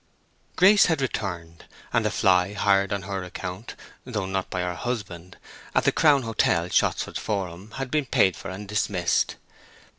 Grace had returned, and the fly hired on her account, though not by her husband, at the Crown Hotel, Shottsford Forum, had been paid for and dismissed.